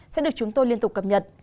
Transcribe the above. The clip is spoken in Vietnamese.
sẽ được chúng tôi liên tục cập nhật